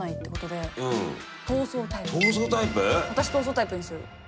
私闘争タイプにする。